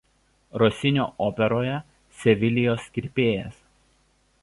Rosinio operoje „Sevilijos kirpėjas“.